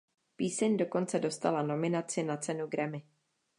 Píseň dokonce dostala nominaci na cenu Grammy.